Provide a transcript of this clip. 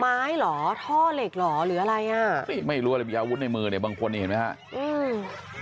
ไม้หรอท่อเหล็กหรอหรืออะไรนี่ไม่รู้อะไรบุ๊บในมือเนี่ยบางคนเห็นไหมฮะ